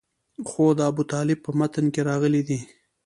خو د ابوطالب په متن کې راغلي دي.